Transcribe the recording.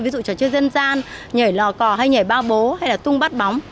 ví dụ trò chơi dân gian nhảy lò cò hay nhảy bao bố hay là tung bắt bóng